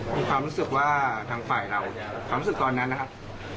มีความรู้สึกว่าทางฝ่ายเราเนี่ยความรู้สึกตอนนั้นนะครับ